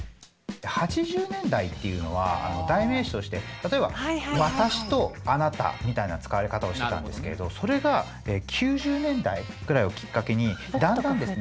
８０年代っていうのは代名詞として例えば「私」と「あなた」みたいな使われ方をしてたんですけれどそれが９０年代ぐらいをきっかけにだんだんですね